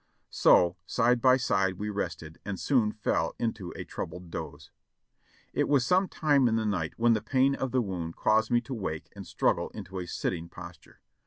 So side by side we rested, and soon fell into a troubled doze. It was some time in the night when the pain of the wound caused me to wake and struggle into a sitting posture.